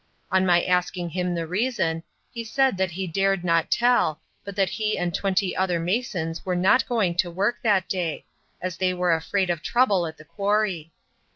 On my asking him the reason, he said that he dared not tell, but that he and twenty other masons were not going to work that day, as they were afraid of trouble at the quarry.